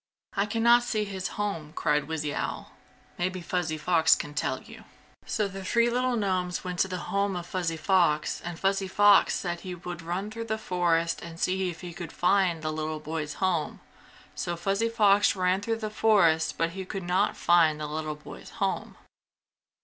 "I can not see his home!" cried Wizzy Owl. "Maybe Fuzzy Fox can tell you!" So the three little gnomes went to the home of Fuzzy Fox and Fuzzy Fox said he would run through the forest and see if he could find the little boy's home. So Fuzzy Fox ran through the forest, but could not find the little boy's home.